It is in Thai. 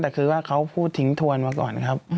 แต่คือว่าเขาพูดทิ้งทวนมาก่อนครับ